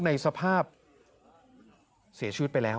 ในสภาพเสียชีวิตไปแล้ว